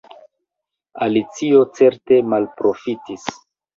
Alicio certe malprofitis.